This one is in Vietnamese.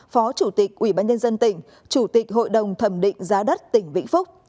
phó chủ tịch ủy ban nhân dân tỉnh chủ tịch hội đồng thẩm định giá đất tỉnh vĩnh phúc